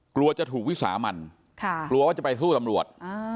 กลัวจะถูกวิสามันกลัวว่าจะไปสู้ตำรวจ